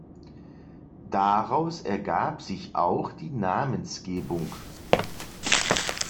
Daraus ergab sich auch die Namensgebung.